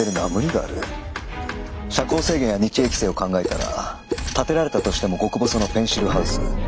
遮光制限や日影規制を考えたら建てられたとしても極細のペンシルハウス。